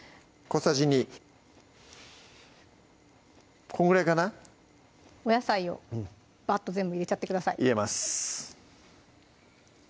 小さじ２このぐらいかなお野菜をばっと全部入れちゃってください入れます